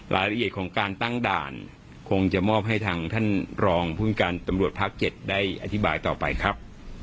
รายละเอียดของการตั้งด่านคงจะมอบให้ทางท่านรองภูมิการตำรวจภาค๗ได้อธิบายต่อไปครับ